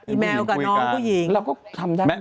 อีแมวกับน้องหรือผู้หญิง